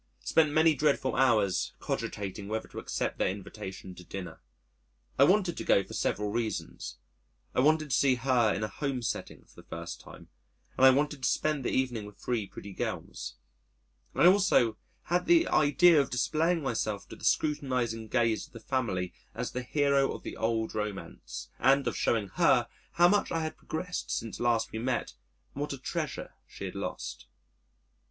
Spent many dreadful hours cogitating whether to accept their invitation to dinner.... I wanted to go for several reasons. I wanted to see her in a home setting for the first time, and I wanted to spend the evening with three pretty girls. I also had the idea of displaying myself to the scrutinising gaze of the family as the hero of the old romance: and of showing Her how much I had progressed since last we met and what a treasure she had lost.